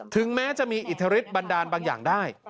ถึงแม้จะมีอิทธิฤทธิบันดาลบางอย่างได้